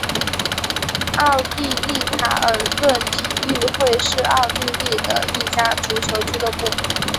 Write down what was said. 奥地利卡尔顿体育会是奥地利的一家足球俱乐部。